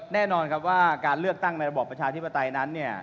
แน่นอนครับว่าการเลือกตั้งในระบอบประชาธิปไตยนั้นเนี่ย